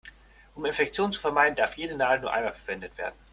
Um Infektionen zu vermeiden, darf jede Nadel nur einmal verwendet werden.